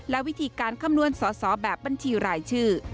และวิธีการคำนวณสอสอแบบบัญชีรายชื่อ